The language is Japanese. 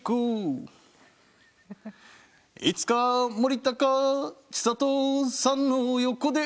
「いつか森高千里さんの横で」